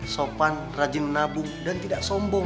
sopan rajin menabung dan tidak sombong